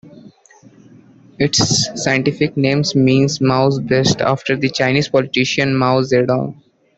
Its scientific name means "Mao's beast" after the Chinese politician Mao Zedong.